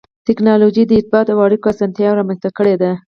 ټکنالوجي د ارتباط او اړیکو اسانتیا رامنځته کړې ده.